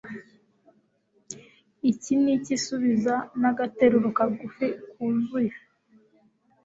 Iki ni iki Subiza nagateruro kagufi kuzuye